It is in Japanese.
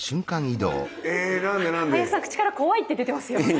林さん口から怖いって出てますよ。